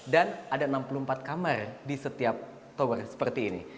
dan ada enam puluh empat kamar di setiap tower seperti ini